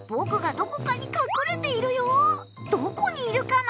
どこにいるかな？